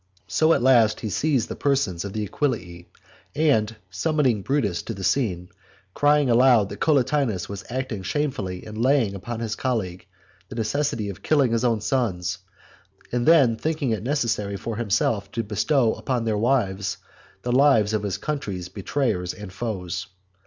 So at Jast he seized the persons of the Aquillii and summoned Brutus to the scene, crying aloud that Collatinus was acting shamefully in laying upon his colleague the necessity of killing his own sons, and then thinking it necessary for himself to bestow upon their wives the lives of his country's betrayers and foes.